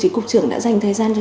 chí cục trưởng đã dành thời gian cho